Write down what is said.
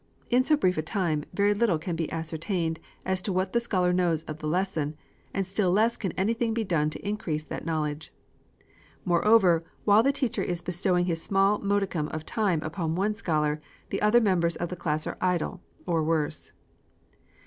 In so brief a time, very little can be ascertained as to what the scholar knows of the lesson, and still less can anything be done to increase that knowledge. Moreover, while the teacher is bestowing his small modicum of time upon one scholar, all the other members of the class are idle, or worse.